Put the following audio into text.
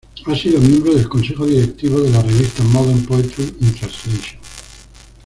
Ha sido miembro del Consejo Directivo de la Revista Modern Poetry in Translation.